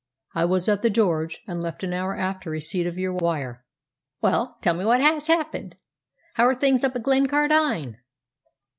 "I was at the 'George,' and left an hour after receipt of your wire." "Well, tell me what has happened. How are things up at Glencardine?"